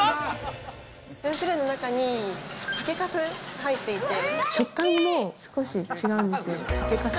味噌汁の中に酒粕が入っていて、食感も少し違うんですよ。